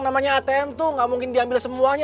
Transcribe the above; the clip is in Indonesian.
namanya atm tuh gak mungkin diambil semuanya